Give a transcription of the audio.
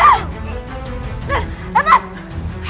aku tidak bersalah